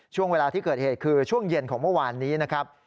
ช่วงเวลาที่เกิดเหตุคือช่วงเย็นของเมื่อวานนี้นะครับ